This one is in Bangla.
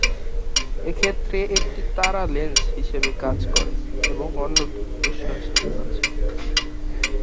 এক্ষেত্রে একটি তারা লেন্স হিসেবে কাজ করে এবং অন্যটি উৎস হিসেবে কাজ করে।